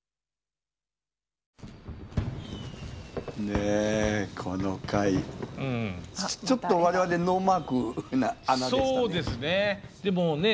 ねえこの回ちょっと我々ノーマークな穴でしたね。